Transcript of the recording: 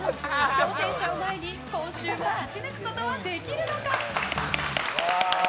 挑戦者を前に今週も勝ち抜くことはできるのか？